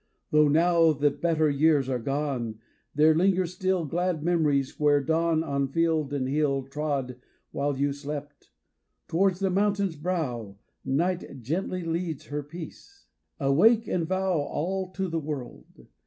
Though now The better years are gone, there linger still Glad memories where dawn on field and hill Trod while you slept. Towards the mountain's brow Night gently leads her peace. Awake and vow All to the world